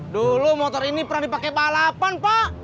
dulu motor ini pernah dipakai balapan pak